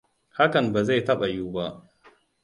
Hakan ba zai taba yuwu ba.